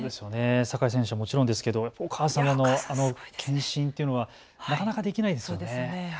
酒井選手はもちろんですけどお母様の献身というのはなかなかできないですよね。